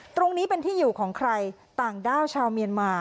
ตรงนี้เป็นที่อยู่ของใครต่างด้าวชาวเมียนมา